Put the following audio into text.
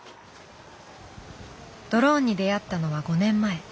ドローンに出会ったのは５年前。